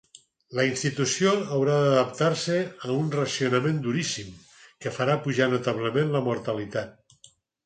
La institució haurà d'adaptar-se a un racionament duríssim que farà pujar notablement la mortalitat.